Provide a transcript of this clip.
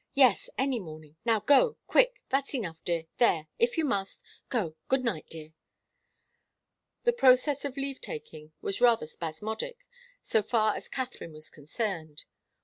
"Yes, any morning. Now go quick. That's enough, dear there, if you must. Go good night dear!" The process of leave taking was rather spasmodic, so far as Katharine was concerned.